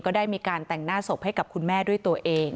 ได้มีการแต่งหน้าศพให้กับคุณแม่ด้วยตัวเอง